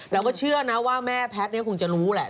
ว่าเชื่อนะว่าแม่แพทย์คงจะรู้แหละ